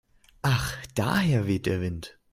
Ach daher weht der Wind.